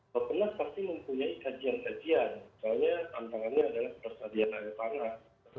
pekerja pasti mempunyai kajian kajian soalnya tantangannya adalah persediaan air tanah